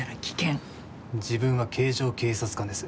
自分は警乗警察官です。